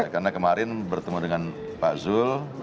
karena kemarin bertemu dengan pak zul